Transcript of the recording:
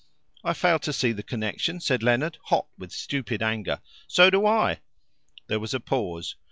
" "I fail to see the connection," said Leonard, hot with stupid anger. "So do I." There was a pause.